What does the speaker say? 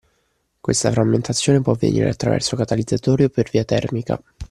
Questa frammentazione può avvenire attraverso catalizzatori o per via termica.